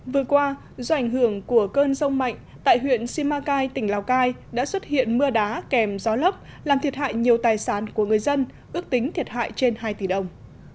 vừa qua do ảnh hưởng của cơn rông mạnh tại huyện simacai tỉnh lào cai đã xuất hiện mưa đá kèm gió lốc làm thiệt hại nhiều tài sản của người dân ước tính thiệt hại trên hai tỷ đồng